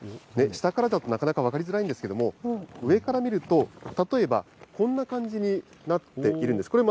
下からだとなかなか分かりづらいんですけれども、上から見ると、例えば、こんな感じになっているんです。